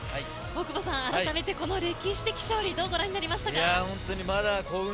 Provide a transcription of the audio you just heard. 大久保さん、あらためてこの歴史的勝利どうご覧になりました。